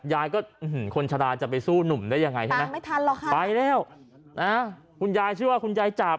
ยายก็คนชาดาจะไปสู้หนุ่มได้ยังไงไปแล้วคุณยายชื่อว่าคุณยายจาบ